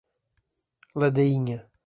Ladainha